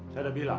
saya udah bilang